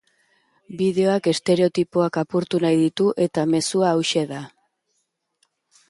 Bideoak estereotipoak apurtu nahi ditu eta mezua hauxe da.